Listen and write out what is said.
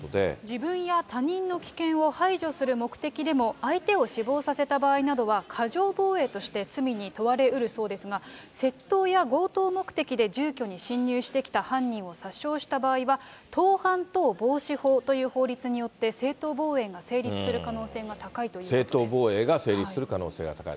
自分や他人の危険を排除する目的でも、相手を死亡させた場合などは過剰防衛として罪に問われうるそうですが、窃盗や強盗目的で住居に侵入してきた犯人を殺傷した場合は、盗犯等防止法という法律によって正当防衛が成立する可能性が高い正当防衛が成立する可能性が高い。